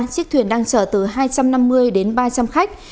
chiếc thuyền đang chở từ hai trăm năm mươi đến ba trăm linh khách